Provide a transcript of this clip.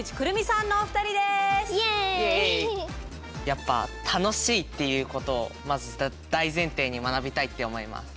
やっぱ楽しいっていうことをまず大前提に学びたいって思います。